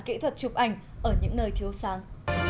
kỹ thuật chụp ảnh ở những nơi thiếu sáng